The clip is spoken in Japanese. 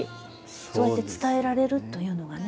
そうやって伝えられるというのがね。